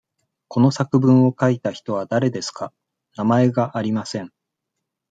この作文を書いた人は誰ですか。名前がありません。